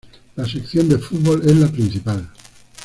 La sección de fútbol es la principal.